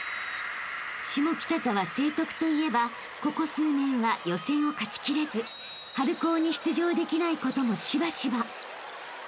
［下北沢成徳といえばここ数年は予選を勝ちきれず春高に出場できないこともしばしば］